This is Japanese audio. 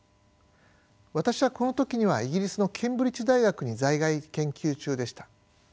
私はこの時にはイギリスのケンブリッジ大学に在外研究中でした。